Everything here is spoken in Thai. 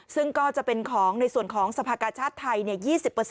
ซึ่งก็จะเป็นของในส่วนของสภากาชาติไทย๒๐